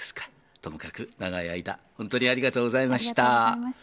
ともかく長い間、本当にありがとうございました。